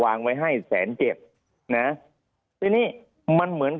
ภารกิจสรรค์ภารกิจสรรค์